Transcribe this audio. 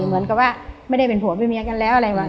เหมือนกับว่าไม่ได้เป็นผัวเป็นเมียกันแล้วอะไรวะ